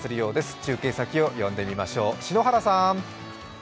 中継先を呼んでみましょう。